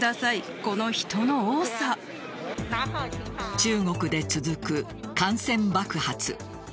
中国で続く感染爆発。